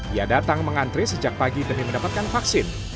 ia datang mengantri sejak pagi demi mendapatkan vaksin